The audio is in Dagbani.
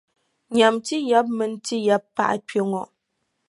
Nyami ti yaba mini ti yabipaɣa kpe ŋɔ.